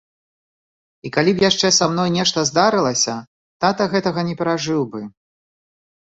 І калі б яшчэ са мной нешта здарылася, тата гэтага не перажыў бы.